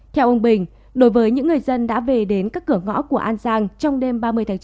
theo ông bình đối với những người dân đã về đến các cửa ngõ của an giang trong đêm ba mươi tháng chín